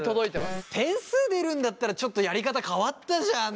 点数出るんだったらちょっとやり方変わったじゃん